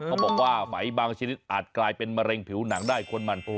บอกว่าไหมบางชนิดอาจกลายเป็นมะเร็งผิวหนังได้คนมัน